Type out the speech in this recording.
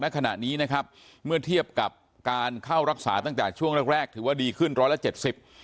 ขณะนี้นะครับเมื่อเทียบกับการเข้ารักษาตั้งแต่ช่วงแรกแรกถือว่าดีขึ้นร้อยละเจ็ดสิบ